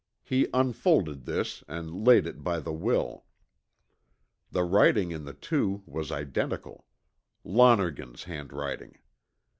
He unfolded this, and laid it by the will. The writing in the two was identical; Lonergan's handwriting.